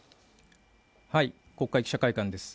国会記者会館です。